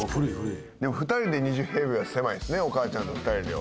２人で２０平米は狭いですねお母ちゃんと２人では。